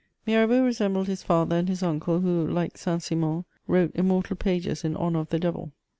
Mirabeau resembled his father and his uncle, who, like St. Simon, wrote immortal pages in honour of the devil.